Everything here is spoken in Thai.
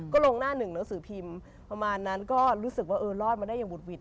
ก็ลงหน้าหนึ่งหนังสือพิมพ์ประมาณนั้นก็รู้สึกว่าเออรอดมาได้อย่างบุดหิด